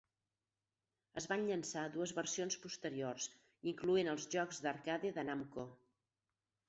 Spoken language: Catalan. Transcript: Es van llançar dues versions posteriors, incloent els jocs d'arcade de Namco.